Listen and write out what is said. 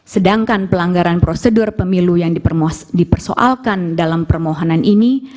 sedangkan pelanggaran prosedur pemilu yang dipersoalkan dalam permohonan ini